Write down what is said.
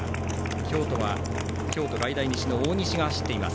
京都は京都外大西の大西が走っています。